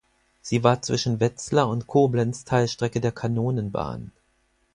Sie war zwischen Wetzlar und Koblenz Teilstrecke der Kanonenbahn.